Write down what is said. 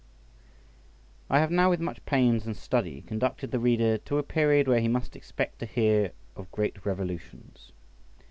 I HAVE now with much pains and study conducted the reader to a period where he must expect to hear of great revolutions.